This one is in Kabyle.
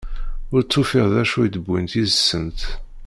Ur tufiḍ d acu i d-uwint yid-sent.